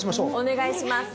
お願いします。